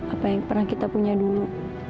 apa yang pernah kita punya dulu